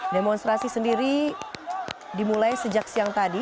demonstrasi sendiri dimulai sejak siang tadi